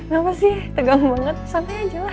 gapasih tegang banget santai aja lah